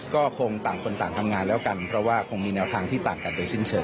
ก็คงต่างคนต่างทำงานแล้วกันเพราะว่าคงมีแนวทางที่ต่างกันไปสิ้นเฉ